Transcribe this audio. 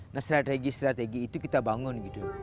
nah strategi strategi itu kita bangun gitu